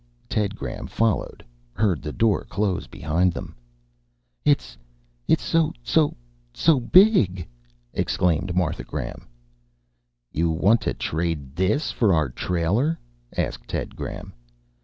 Ted Graham followed, heard the door close behind them. "It's so so so big," exclaimed Martha Graham. "You want to trade this for our trailer?" asked Ted Graham.